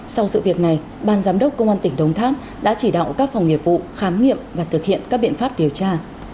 sau sự việc này ban giám đốc công an tỉnh đồng tháp đã chỉ đạo các phòng nghiệp vụ khám nghiệm và thực hiện các biện pháp điều tra